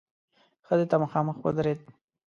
ښځې ته مخامخ ودرېد.